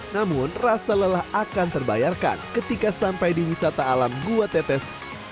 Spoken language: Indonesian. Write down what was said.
namun rasa lelah akan terbayarkan ketika sampai di wisata alam gua tetes